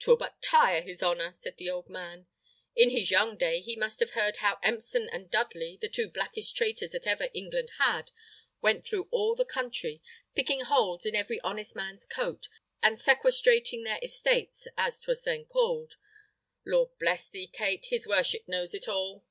"'Twill but tire his honour," said the old man. "In his young day he must have heard how Empson and Dudley, the two blackest traitors that ever England had, went through all the country, picking holes in every honest man's coat, and sequestrating their estates, as 'twas then called. Lord bless thee, Kate! his worship knows it all."